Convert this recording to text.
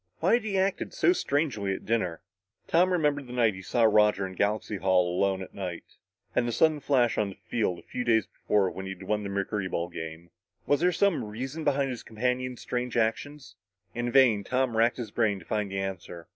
Why had he acted so strangely at dinner? Tom remembered the night he saw Roger in Galaxy Hall alone at night, and the sudden flash on the field a few days before when they had won the mercuryball game. Was there some reason behind his companion's strange actions? In vain, Tom racked his brain to find the answer.